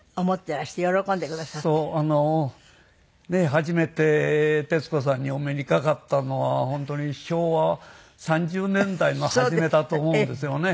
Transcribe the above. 初めて徹子さんにお目にかかったのは本当に昭和３０年代の初めだと思うんですよね。